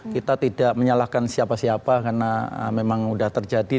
kita tidak menyalahkan siapa siapa karena memang sudah terjadi